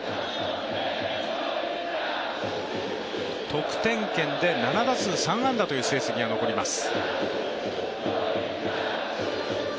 得点圏で７打数３安打という成績が残ります。